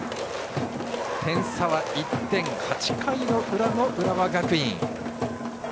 点差は１点、８回の裏の浦和学院。